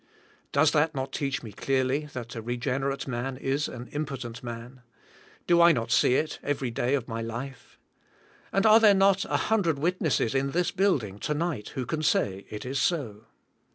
Does that not teach me clearly that a regenerate man is an impotent man? Do I not see it everyday of my life? And are there not a hundred witnesses in this building", to nig ht, who can say it is so?